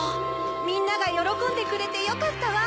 みんながよろこんでくれてよかったわ。